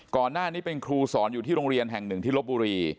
ก่อนหน้านี้เป็นครูสอนอยู่ที่โรงเรียนแห่งหนึ่งที่ลบบุรี